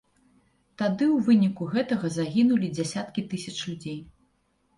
Тады ў выніку гэтага загінулі дзясяткі тысяч людзей.